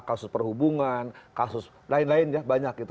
kasus perhubungan kasus lain lain ya banyak gitu